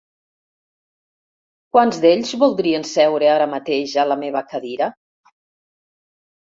Quants d'ells voldrien seure ara mateix a la meva cadira?